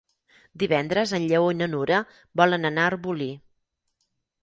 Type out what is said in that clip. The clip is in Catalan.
Divendres en Lleó i na Nura volen anar a Arbolí.